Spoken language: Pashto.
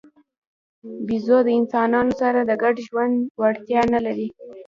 بیزو د انسانانو سره د ګډ ژوند وړتیا نه لري.